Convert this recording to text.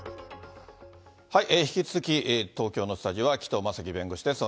引き続き、東京のスタジオは、紀藤正樹弁護士です。